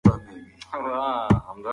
باکتریاوې د خوړو په جذب کې مرسته کوي.